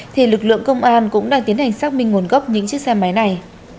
thì lực lượng công an cũng đang tiến hành xác minh nguồn gốc những chiếc xe máy này